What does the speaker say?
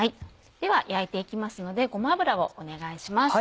では焼いて行きますのでごま油をお願いします。